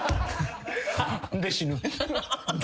で死ぬ。